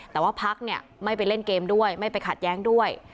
แต่ว่าพักเนี่ยไม่ไปเล่นเกมด้วยไม่ไปขัดแย้งด้วย